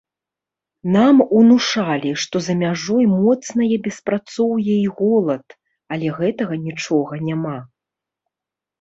Нам унушалі, што за мяжой моцнае беспрацоўе і голад, але гэтага нічога няма.